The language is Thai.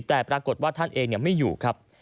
แต่ปรากฏว่าท่านเองไม่อยู่ครับ